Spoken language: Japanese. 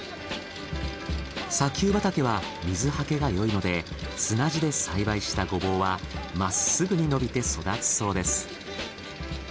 砂丘畑は水はけがよいので砂地で栽培したゴボウはまっすぐに伸びて育つそうです。